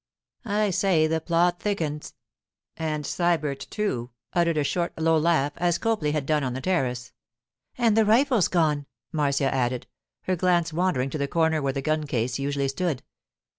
'I say, the plot thickens!' and Sybert, too, uttered a short, low laugh, as Copley had done on the terrace. 'And the rifle's gone,' Marcia added, her glance wandering to the corner where the gun case usually stood.